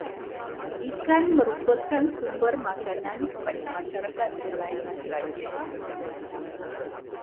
Ikan merupakan sumber makanan kepada masyarakat Melayu tradisional.